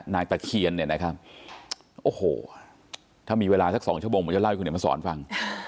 นางตะเคียนถ้ามีเวลาสัก๒ชั่วโมงผมจะเล่าให้คุณเดี๋ยวมาสอนฟัง